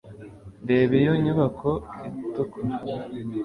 reba iyo nyubako itukura